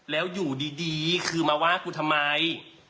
แล้วอยู่ดีคือมาว่ากูทำไม